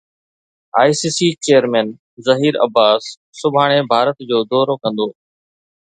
I C C chairman Zaheer Abbas سڀاڻي ڀارت جو دورو ڪندو